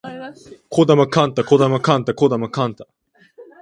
児玉幹太児玉幹太児玉幹太